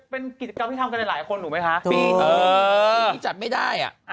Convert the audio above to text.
เป็นกิจกรรมที่ทำกันในหลายคนหรือไหมคะเออปีนี้จัดไม่ได้อ่ะ